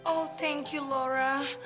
oh thank you laura